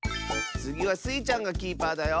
つぎはスイちゃんがキーパーだよ！